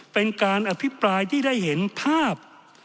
เป็นการอภิปรายที่ได้เห็นภาพ